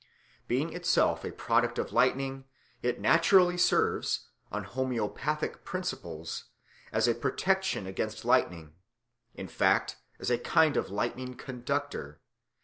Being itself a product of lightning it naturally serves, on homoeopathic principles, as a protection against lightning, in fact as a kind of lightning conductor.